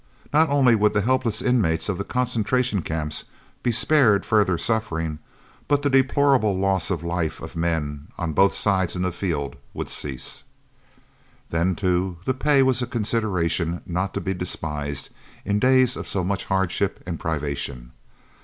Not only would the helpless inmates of the Concentration Camps be spared further suffering, but the deplorable loss of life of men on both sides in the field would cease. Then too, the pay was a consideration not to be despised in days of so much hardship and privation.